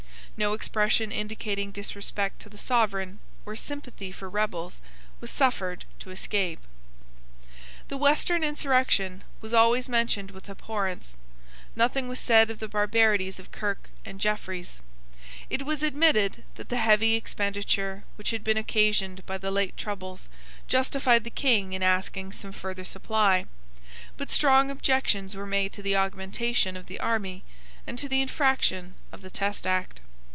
No expression indicating disrespect to the Sovereign or sympathy for rebels was suffered to escape. The western insurrection was always mentioned with abhorrence. Nothing was said of the barbarities of Kirke and Jeffreys. It was admitted that the heavy expenditure which had been occasioned by the late troubles justified the King in asking some further supply: but strong objections were made to the augmentation of the army and to the infraction of the Test Act.